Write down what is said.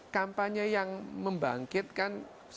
kampanye yang membangkitkan